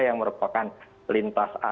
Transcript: yang merupakan lintas